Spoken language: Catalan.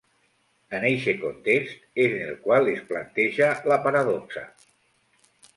En eixe context és en el qual es planteja la paradoxa.